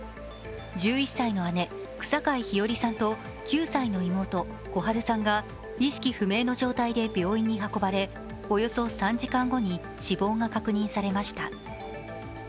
１１歳の姉、草皆陽愛さんと９歳の妹、心陽さんが意識不明の状態で病院に運ばれおよそ３時間後に死亡が確認されました。